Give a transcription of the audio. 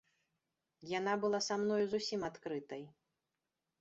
Яна была са мною зусім адкрытай.